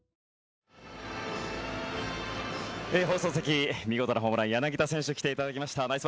放送席、見事なホームラン柳田選手に来ていただきました。